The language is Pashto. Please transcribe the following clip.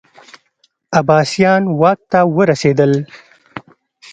عباسیان واک ته ورسېدل